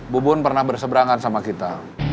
bu bun pernah berseberangan sama kita